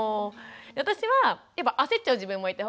私はやっぱ焦っちゃう自分もいて。